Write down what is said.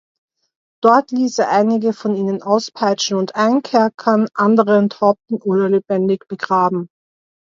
Dort ließ er einige von ihnen auspeitschen und einkerkern, andere enthaupten oder lebendig begraben.